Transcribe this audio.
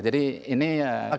jadi ini kan masih